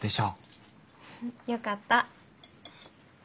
よかった。